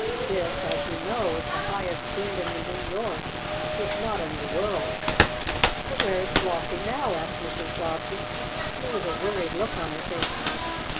This, as you know, is the highest building in New York, if not in the world. "But where is Flossie now?" asked Mrs. Bobbsey, and there was a worried look on her face.